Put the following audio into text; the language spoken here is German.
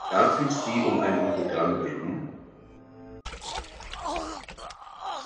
Darf ich Sie um ein Autogramm bitten?